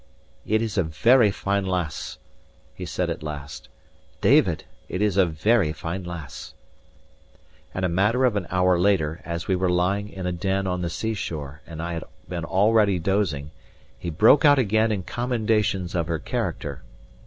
"It is a very fine lass," he said at last. "David, it is a very fine lass." And a matter of an hour later, as we were lying in a den on the sea shore and I had been already dozing, he broke out again in commendations of her character.